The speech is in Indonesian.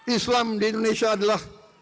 islam di indonesia adalah